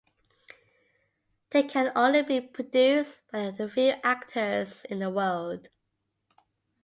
They can only be produced by a few actors in the world.